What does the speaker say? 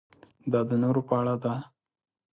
دا د نورو په اړه ده.